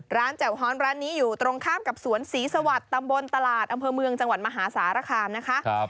แจ่วฮ้อนร้านนี้อยู่ตรงข้ามกับสวนศรีสวัสดิ์ตำบลตลาดอำเภอเมืองจังหวัดมหาสารคามนะคะ